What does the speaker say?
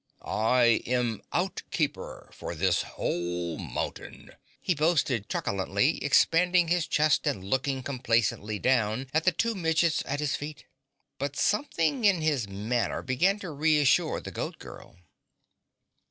I am OUTKEEPER for this whole mountain," he boasted truculently expanding his chest and looking complacently down at the two midgets at his feet. But something in his manner began to reassure the Goat Girl.